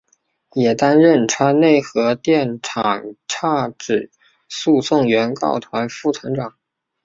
也担任川内核电厂差止诉讼原告团副团长。